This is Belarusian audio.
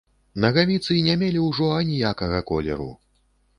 Нагавіцы не мелі ўжо аніякага колеру.